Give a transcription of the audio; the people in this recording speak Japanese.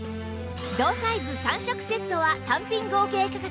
同サイズ３色セットは単品合計価格